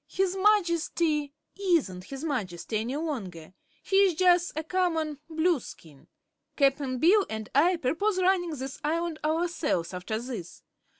"His Majesty isn't his Majesty any longer; he's jus' a common Blueskin. Cap'n Bill and I perpose runnin' this Island ourselves, after this.